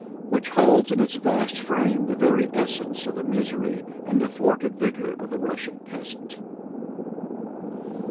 which holds in its vast frame the very essence of the misery and the thwarted vigor of the Russian peasant.